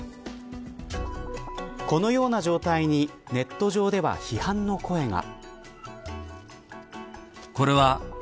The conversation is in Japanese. このような状態にネット上では批判の声が。